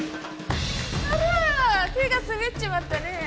あら手が滑っちまったねぇ。